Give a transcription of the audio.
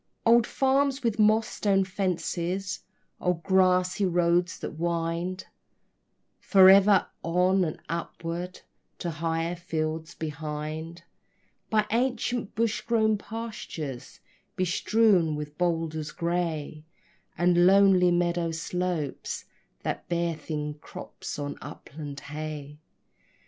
Old farms with mossed stone fences, old grassy roads that wind Forever on and upward to higher fields behind, By ancient bush grown pastures, bestrewn with boulders gray, And lonely meadow slopes that bear thin crops of upland hay.